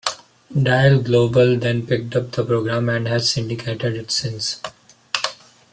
Dial Global then picked up the program and has syndicated it since.